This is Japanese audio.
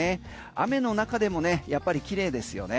雨の中でもねやっぱり綺麗ですよね。